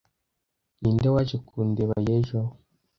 Ninde waje kundeba, y'ejo